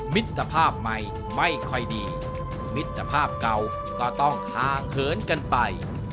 มิตรภาพใหม่ไม่ค่อยดีมิตรภาพเก่าก็ต้องห่างเหินกันไป